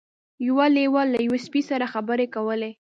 یو لیوه له یوه سپي سره خبرې کولې.